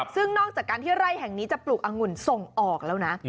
ซึ่งนอกจากการที่ไร่แห่งนี้จะปลูกอังุ่นส่งออกแล้วนะ